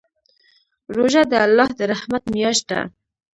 روژه د الله د رحمت میاشت ده.